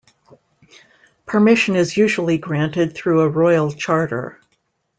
Permission is usually granted through a Royal Charter.